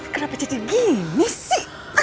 kenapa jadi gini sih